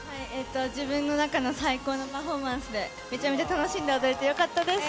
自分の中の最高のパフォーマンスで、めちゃめちゃ楽しんで踊れてよかったです。